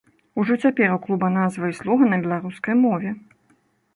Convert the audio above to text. Ужо цяпер у клуба назва і слоган на беларускай мове.